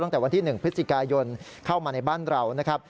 ตั้งแต่วันที่๑พฤศจิกายนเข้ามาในบ้านเรานะครับ